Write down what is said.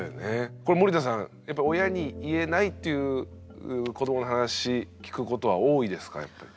これ森田さんやっぱ親に言えないっていう子どもの話聞くことは多いですかやっぱり。